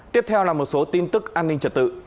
tiếp theo là một số tin tức an ninh trật tự